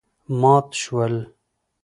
مات شول.